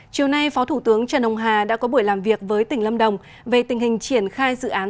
chiều nay phó thủ tướng trần ông hà đã có buổi làm việc với tỉnh lâm đồng về tình hình triển khai dự án